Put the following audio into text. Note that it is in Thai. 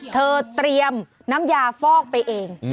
เตรียมน้ำยาฟอกไปเอง